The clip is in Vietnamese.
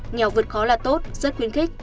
nghèo vượt khó là tốt rất khuyến khích